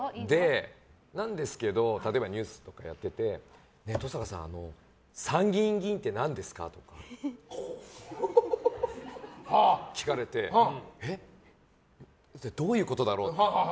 なんですけど、例えばニュースとかやってて登坂さん参議院議員って何ですか？とか聞かれてえ？どういうことだろうって。